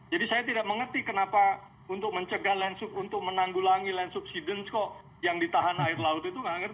jadi saya tidak mengerti kenapa untuk mencegah land subsidence untuk menanggulangi land subsidence kok yang ditahan air laut itu